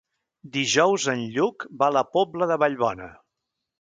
Dijous en Lluc va a la Pobla de Vallbona.